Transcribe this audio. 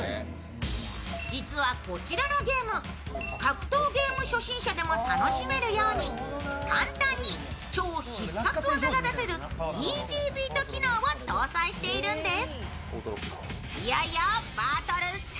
実はこちらのゲーム、格闘ゲーム初心者でも楽しめるように簡単に超必殺技が出せるイージービート機能を搭載しているんです。